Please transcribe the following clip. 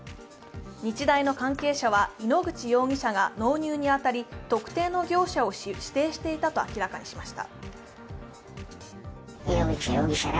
日大の関係者は、井ノ口容疑者が納入にあたり特定の業者を指定していたと明らかにしました。